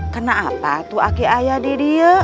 kenapa tuh kakak ayah dia